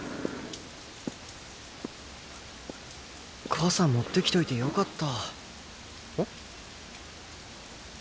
傘持ってきといてよかった。